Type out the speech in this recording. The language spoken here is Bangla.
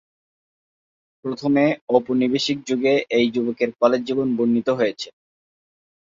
প্রথমে ঔপনিবেশিক যুগে এই যুবকের কলেজ জীবন বর্ণিত হয়েছে।